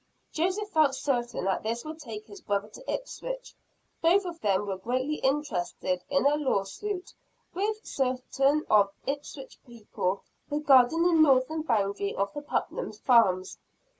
Joseph felt certain that this would take his brother to Ipswich. Both of them were greatly interested in a lawsuit with certain of the Ipswich people, regarding the northern boundary of the Putnam farms.